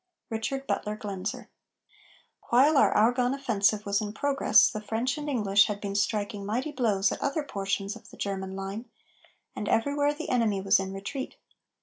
RICHARD BUTLER GLAENZER. While our Argonne offensive was in progress, the French and English had been striking mighty blows at other portions of the German line, and everywhere the enemy was in retreat.